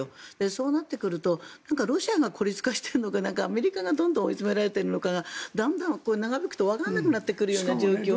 そうなってくるとロシアが孤立化しているのかアメリカがどんどん追い詰められていくのかが長引くとわからなくなってくる状況に。